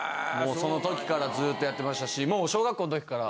そのときからずっとやってましたしもう小学校のときから。